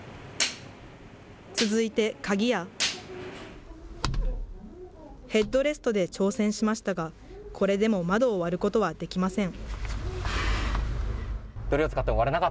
続いて鍵やヘッドレストで挑戦しましたが、これでも窓を割ることはできません。